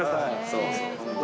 そうそうそう。